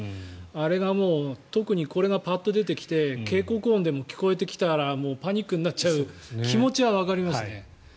あれが特にこれがパッと出てきて警告音でも聞こえてきたらパニックになっちゃう気持ちはわかりますね。